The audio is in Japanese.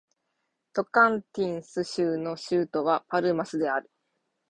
トカンティンス州の州都はパルマスである